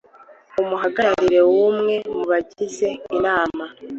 umuhagararira w umwe mu bagize inama